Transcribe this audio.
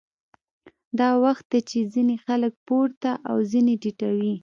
دا وخت دی چې ځینې خلک پورته او ځینې ټیټوي